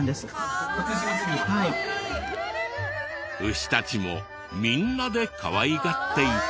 牛たちもみんなでかわいがっていた。